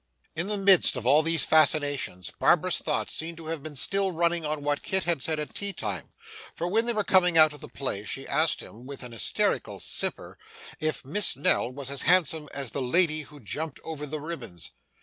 In the midst of all these fascinations, Barbara's thoughts seemed to have been still running on what Kit had said at tea time; for, when they were coming out of the play, she asked him, with an hysterical simper, if Miss Nell was as handsome as the lady who jumped over the ribbons.